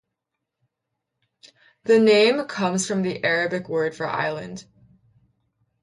The name comes from the Arabic word for island.